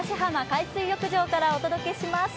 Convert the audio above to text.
海水浴場からお届けします。